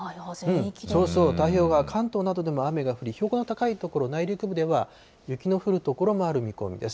そうそう、太平洋側、関東などでも雨が降り、標高の高い所、内陸部では雪の降る所もある見込みです。